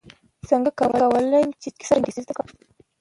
څنګه کولی شم په چټکۍ سره انګلیسي زده کړم